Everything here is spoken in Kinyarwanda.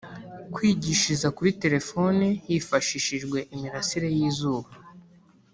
Kwigishiriza kuri telefoni hifashishijwe imirasire y’izuba